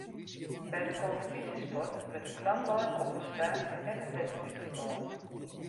By de kompetysjesport wurdt de klam lein op prestaasje en it wedstriidferbân